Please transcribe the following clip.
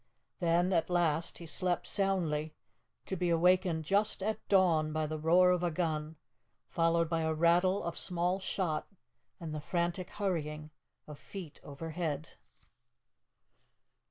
Then, at last, he slept soundly, to be awakened just at dawn by the roar of a gun, followed by a rattle of small shot, and the frantic hurrying of feet overhead.